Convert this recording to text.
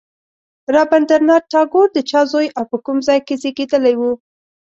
رابندر ناته ټاګور د چا زوی او په کوم ځای کې زېږېدلی و.